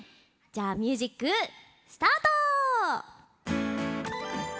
じゃあミュージックスタート！